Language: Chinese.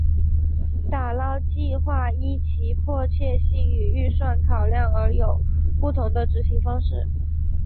打捞计画依其迫切性与预算考量而有不同的执行方式。